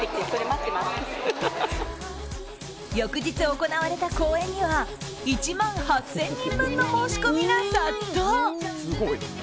翌日行われた公演には１万８０００人分の申し込みが殺到。